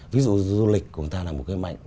ví dụ du lịch của người ta là một cái mạnh